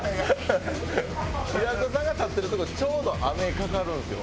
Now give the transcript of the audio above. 平子さんが立ってる所ちょうど雨かかるんですよ。